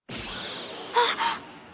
あっ！